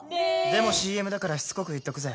でもＣＭだからしつこく言っとくぜ！